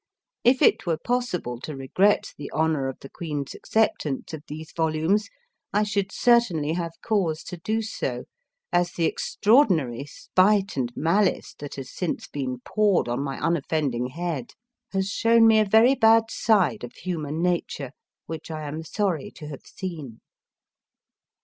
If it were possible to regret the honour of the Queen s acceptance of these volumes, I should certainly have cause to do so, as the extraordinary spite and malice that has since been poured on my unoffending head has shown me a very bad side of human nature, which I am sorry to have seen.